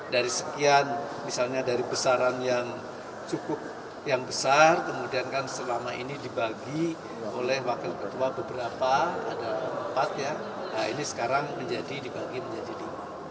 dari sekian misalnya dari besaran yang cukup yang besar kemudian kan selama ini dibagi oleh wakil ketua beberapa ada empat ya nah ini sekarang menjadi dibagi menjadi lima